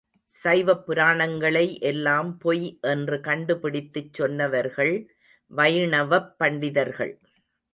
சைவப் புராணங்களை எல்லாம் பொய் என்று கண்டு பிடித்துச் சொன்னவர்கள் வைணவப் பண்டிதர்கள்.